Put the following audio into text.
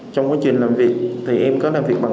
trong quá trình làm việc thì em có làm việc bằng